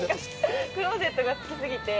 クローゼットが好きって。